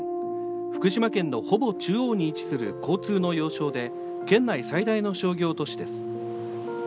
福島県のほぼ中央に位置する交通の要衝で県内最大の商業都市です。